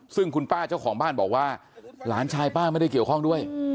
ซึ่งคุณป้าเจ้าของบ้านบอกว่าหลานชายป้าไม่ได้เกี่ยวข้องด้วย